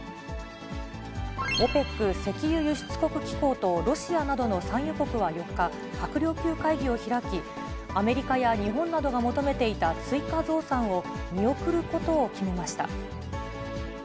ＯＰＥＣ・石油輸出国機構とロシアなどの産油国は４日、閣僚級会議を開き、アメリカや日本などが求めていた追加増産を見送ることを決めました。